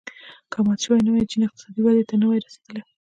که مات شوی نه وای چین اقتصادي ودې ته نه وای رسېدلی.